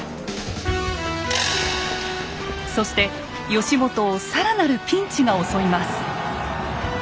そして義元を更なるピンチが襲います。